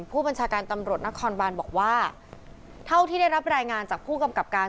ผู้บัญชาการตำรวจนครบานบอกว่าเท่าที่ได้รับรายงานจากผู้กำกับการ